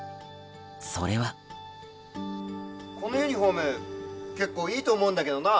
それはこのユニホーム結構いいと思うんだけどな。